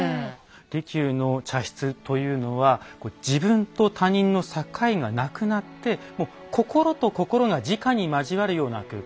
利休の茶室というのは自分と他人の境がなくなってもう心と心がじかに交わるような空間